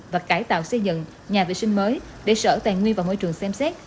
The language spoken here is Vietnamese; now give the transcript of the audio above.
và cải tạo xây dựng nhà vệ sinh mới để sở tài nguyên và môi trường xem xét